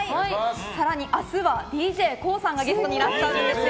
更に明日はＤＪＫＯＯさんがゲストにいらっしゃるんですよ。